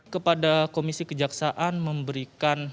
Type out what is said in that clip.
kepada komisi kejaksaan memberikan